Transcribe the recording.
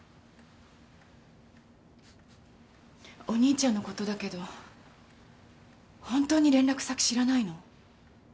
お兄ちゃんのことだけど本当に連絡先知らないの？